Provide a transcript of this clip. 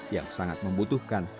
yang sangat membutuhkan